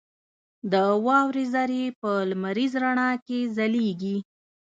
• د واورې ذرې په لمریز رڼا کې ځلېږي.